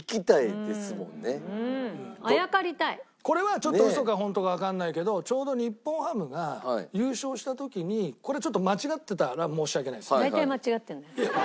これはちょっとウソかホントかわかんないけどちょうど日本ハムが優勝した時にこれちょっと間違ってたら申し訳ないです。